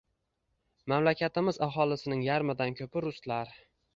Mamlakatimiz aholisining yarmidan koʻpi ruslar